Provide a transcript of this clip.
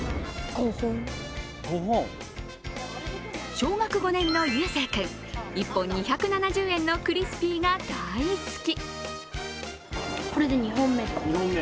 小学５年のゆうせい君、１本２７０円のクリスピーが大好き。